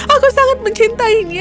aku sangat mencintainya